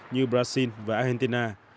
như brazil và argentina